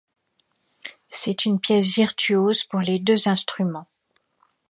C'est une pièce virtuose pour les deux instruments.